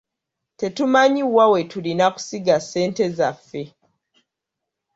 Tetumanyi wa we tulina kusiga ssente zaffe.